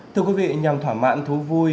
thưa quý vị nhằm thỏa mãn thú vui